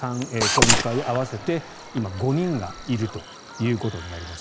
今回、合わせて今、５人がいるということになります。